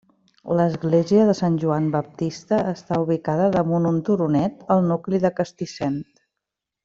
L'església de Sant Joan Baptista està ubicada damunt un turonet al nucli de Castissent.